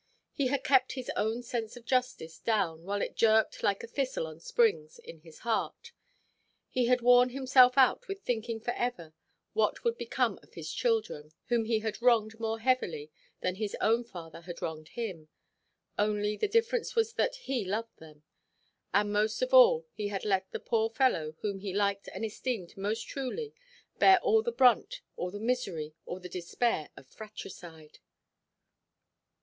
He had kept his own sense of justice down, while it jerked (like a thistle on springs) in his heart; he had worn himself out with thinking for ever what would become of his children, whom he had wronged more heavily than his own bad father had wronged him—only the difference was that he loved them; and most of all he had let a poor fellow, whom he liked and esteemed most truly, bear all the brunt, all the misery, all the despair of fratricide.